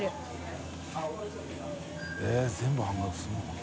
┐全部半額にするのかな？